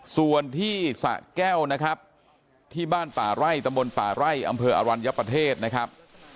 ส่วนที่สะแก้วนะครับที่บ้านป่าไร่ตำบลป่าไร่อำเภออรัญญประเทศนะครับ